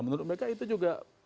menurut mereka itu juga